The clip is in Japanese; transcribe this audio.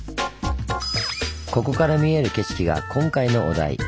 ここから見える景色が今回のお題